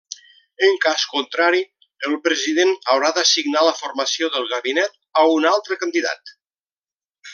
En cas contrari, el President haurà d'assignar la formació del Gabinet a un altre candidat.